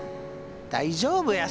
大丈夫や！